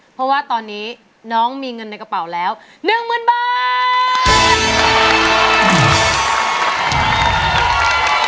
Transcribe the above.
เพราะว่าตอนนี้น้องมีเงินในกระเป๋าแล้ว๑๐๐๐บาท